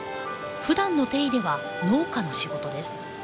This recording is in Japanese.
ふだんの手入れは農家の仕事です。